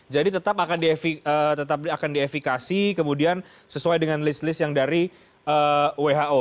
jadi tetap akan diefikasi kemudian sesuai dengan list list yang dari who